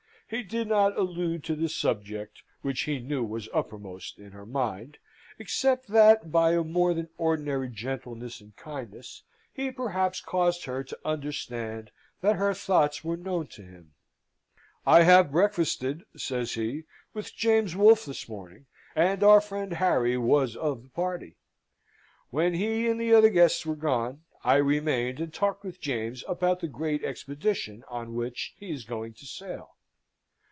He did not allude to the subject which he knew was uppermost in her mind, except that by a more than ordinary gentleness and kindness he perhaps caused her to understand that her thoughts were known to him. "I have breakfasted," says he, "with James Wolfe this morning, and our friend Harry was of the party. When he and the other guests were gone, I remained and talked with James about the great expedition on which he is going to sail.